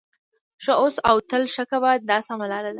ښه اوسه او تل ښه کوه دا سمه لار ده.